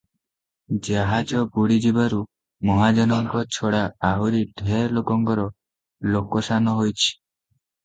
ଜାହାଜ ବୁଡ଼ିଯିବାରୁ ମହାଜନଙ୍କ ଛଡ଼ା ଆହୁରି ଢେର ଲୋକଙ୍କର ଲୋକସାନ ହୋଇଛି ।